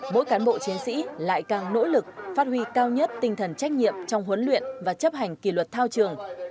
mỗi cán bộ chiến sĩ lại càng nỗ lực phát huy cao nhất tinh thần trách nhiệm trong huấn luyện và chấp hành kỳ luật thao trường